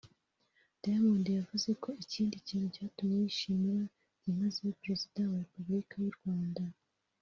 Diamond yavuze ko ikindi kintu cyatumye yishimira byimazeyo Perezida wa Repubulika y’u Rwanda